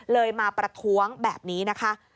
มาประท้วงแบบนี้นะคะ